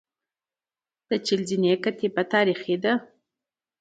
د چهل زینې کتیبه تاریخي ده